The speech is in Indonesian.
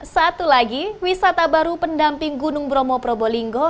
satu lagi wisata baru pendamping gunung bromo probolinggo